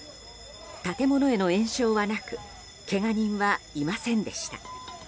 建物への延焼はなくけが人はいませんでした。